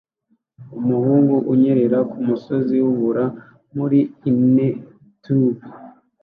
Umuhungu anyerera kumusozi wubura muri innertube